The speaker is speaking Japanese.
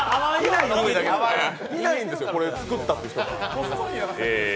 いないんですよ、これ作ったって人が。